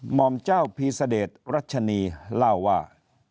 ห่อมเจ้าพีชเดชรัชนีเล่าว่า